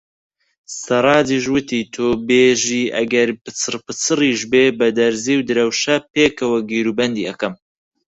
سەڕاجیش وتی: تۆ بێژی ئەگەر پچڕپچڕیش بێ بە دەرزی و درەوشە پێکەوە گیروبەندی ئەکەم.